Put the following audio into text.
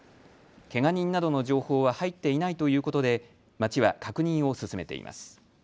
けが人などの情報は入っていないということで町は確認を進めています。